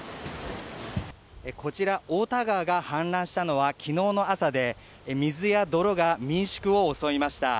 こちら、太田川が氾濫したのはきのうの朝で、水や泥が民宿を襲いました。